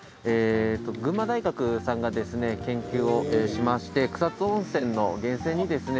群馬大学さんが研究をしまして草津温泉の源泉にですね